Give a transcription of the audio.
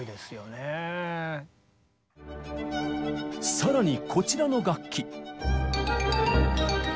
更にこちらの楽器。